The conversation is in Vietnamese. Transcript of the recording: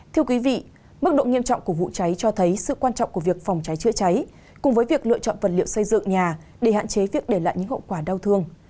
thưa quý vị mức độ nghiêm trọng của vụ cháy cho thấy sự quan trọng của việc phòng cháy chữa cháy cùng với việc lựa chọn vật liệu xây dựng nhà để hạn chế việc để lại những hậu quả đau thương